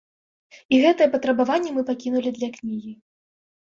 І гэтае патрабаванне мы пакінулі для кнігі.